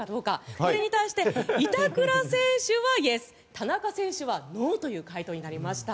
これに対して板倉選手はＹＥＳ田中選手はＮＯという回答になりました。